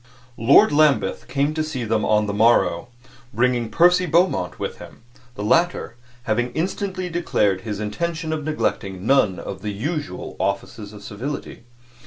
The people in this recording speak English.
Lord Lambeth came to see them on the morrow, bringing Percy Beaumont with him the latter having instantly declared his intention of neglecting none of the usual offices of civility.